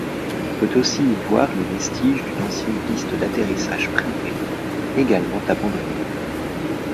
On peut aussi y voir les vestiges d'une ancienne piste d'atterrissage privée, également abandonnée.